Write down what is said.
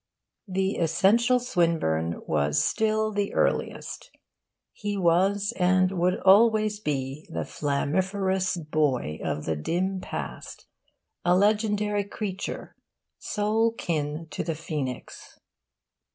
The essential Swinburne was still the earliest. He was and would always be the flammiferous boy of the dim past a legendary creature, sole kin to the phoenix.